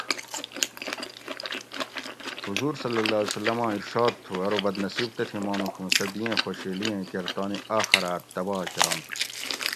حضور( ص ) آں ارشاد تھو ارو بدنصیب تتھیں مانوڄ اُوں سہ دی ایں خوشیلی ایں کیر تانی آخراۤت تباہ کرنت